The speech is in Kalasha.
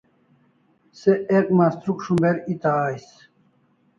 Se ek mastruk shumber eta ais